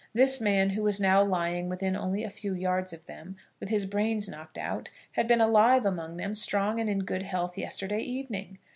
This man who was now lying within only a few yards of them, with his brains knocked out, had been alive among them, strong and in good health, yesterday evening!